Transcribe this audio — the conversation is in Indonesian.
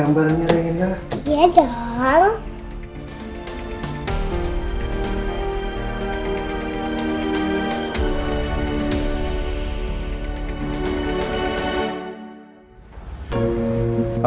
sampai jumpa di video selanjutnya